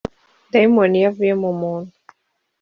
Dayimoni iyo avuye mu muntu